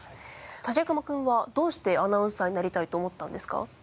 武隈君はどうしてアナウンサーになりたいと思ったんですか？